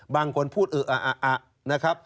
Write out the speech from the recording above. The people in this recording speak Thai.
บางคนพูดอ่ะอ่ะอ่ะอ่ะนะครับ